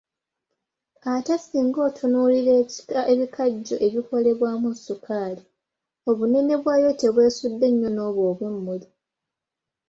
Ate singa otunuulira ebikajjo ebikolebwamu sukaali, obunene bwabyo tebwesudde nnyo n’obwo obw’emmuli.